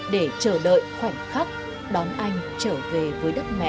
để chờ đợi khoảnh khắc đón anh trở về với đất mẹ